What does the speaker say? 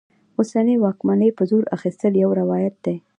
اوسنۍ واکمنۍ په زور اخیستل یو روایت دی.